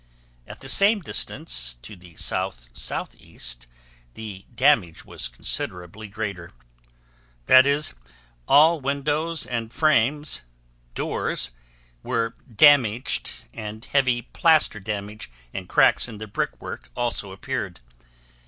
At the same distance to the south southeast the damage was considerably greater, i.e., all windows and frames, doors, were damaged and heavy plaster damage and cracks in the brick work also appeared.